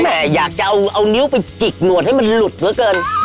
อยากจะเอานิ้วไปจิกหนวดให้มันหลุดเหลือเกิน